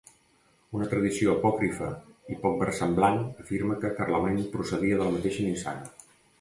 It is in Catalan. Una tradició apòcrifa i poc versemblant afirma que Carlemany procedia de la mateixa nissaga.